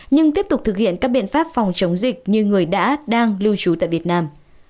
nhưng tiếp tục thực hiện các biện pháp phòng chống dịch như người đã đang lưu trú tại việt nam